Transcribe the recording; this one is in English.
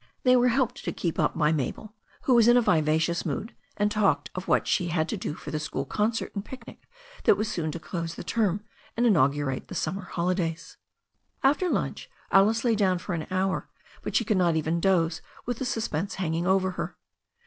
They were helped to keep up by Mabel, who was in a vivacious mood, and talked of what she had to do for the school concert and picnic that was soon to close the term and inaugurate the summer holidays. After lunch Alice lay down for an hour, but she could not even doze with the suspense hanging over her.